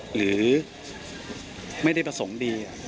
หรือไม่ได้ประสงค์ดี